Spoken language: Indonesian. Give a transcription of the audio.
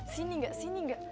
sini gak sini gak